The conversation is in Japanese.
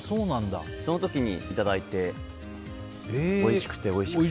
その時にいただいておいしくて、おいしくて。